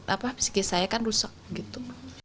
apa psikis saya kan rusak gitu